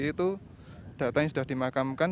itu data yang sudah dimakamkan